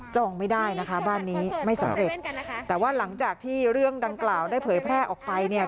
ไม่ได้นะคะบ้านนี้ไม่สำเร็จแต่ว่าหลังจากที่เรื่องดังกล่าวได้เผยแพร่ออกไปเนี่ย